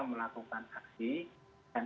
melakukan aksi dan